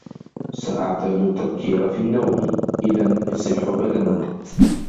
سَأَعْتَادُ التَّبْكِيرَ فِي النَّوْمِ ، إِذَنْ يَصِحَّ بَدَنُكَ.